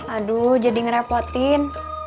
aduh jadi ngerepotin